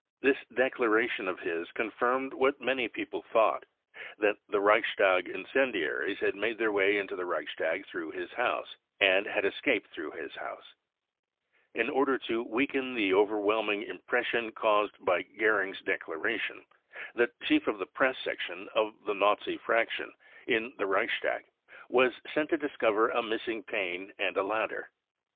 This 1 12 BROWN BOOK OF THE HITLER TERROR declaration of his confirmed what rrlany people thought : that the Reichstag incendiaries had made their way into the Reichstag through his house and had escaped through his house. In order to weaken the overwhelming impression caused by Goering's declaration, the chief of the press section of the Nazi fraction in the Reichstag was sent to discover a missing pane and a ladder.